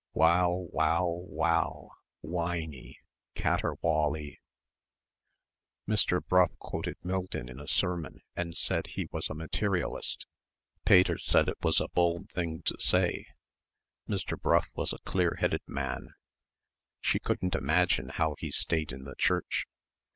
Wow wow wow whiney caterwauley.... Mr. Brough quoted Milton in a sermon and said he was a materialist.... Pater said it was a bold thing to say.... Mr. Brough was a clear headed man. She couldn't imagine how he stayed in the Church....